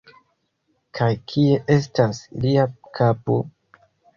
Kaj kie estas lia kapo?!